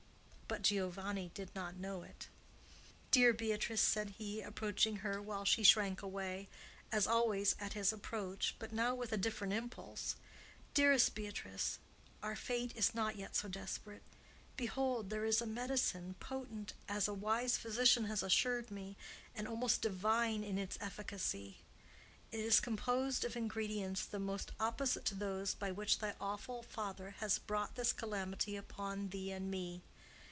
But Giovanni did not know it. "Dear Beatrice," said he, approaching her, while she shrank away as always at his approach, but now with a different impulse, "dearest Beatrice, our fate is not yet so desperate. Behold! there is a medicine, potent, as a wise physician has assured me, and almost divine in its efficacy. It is composed of ingredients the most opposite to those by which thy awful father has brought this calamity upon thee and me.